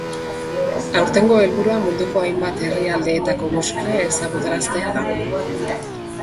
Aurtengo helburua munduko hainbat herrialdetako musika ezagutaraztea da.